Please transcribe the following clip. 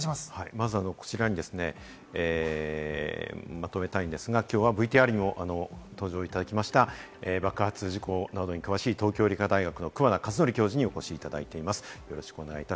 まずはこちらにまとめたいんですが、きょうはＶＴＲにもご登場いただきました爆発事故などに詳しい東京理科大学の桑名一徳教授にお越しいただいています。